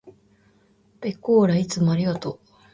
ぺこーらいつもありがとう。